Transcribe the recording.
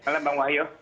selamat malam bang wahyu